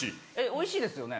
おいしいですよね。